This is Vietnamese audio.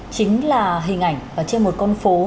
chính là hình ảnh trên một con phố